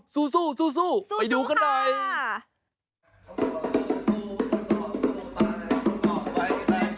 สู่ไปดูกันได้